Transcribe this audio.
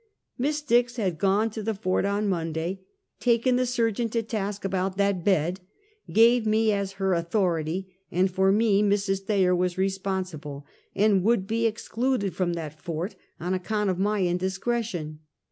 Miss Dix had gone to the fort on Monday, taken the surgeon to task about that bed, gave me as her au thority, and for me Mrs. Thaj^er was responsible, and would be excluded from that fort on account of my in discretion.